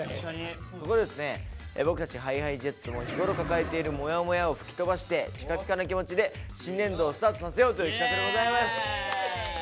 ここでですね僕たちＨｉＨｉＪｅｔｓも日ごろ抱えているモヤモヤを吹き飛ばしてピカピカな気持ちで新年度をスタートさせようという企画でございます！